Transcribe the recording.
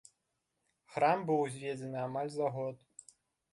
Храм быў узведзены амаль за год.